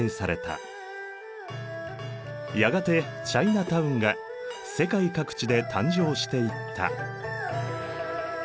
やがてチャイナ・タウンが世界各地で誕生していった。